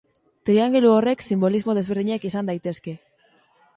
Triangelu horrek sinbolismo desberdinak izan daitezke.